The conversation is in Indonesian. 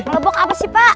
ngelobok apa sih pak